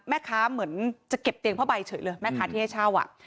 เหมือนจะเก็บเตียงผ้าใบเฉยเลยแม่ค้าที่ให้เช่าอ่ะ